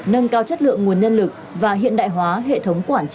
nâng cao chất lượng nguồn nhân lực và hiện đại hóa hệ thống quản trị